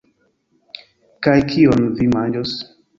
Kaj kion vi manĝos?